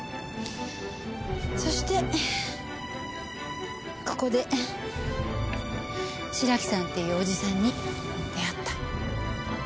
そしてここで白木さんっていうおじさんに出会った。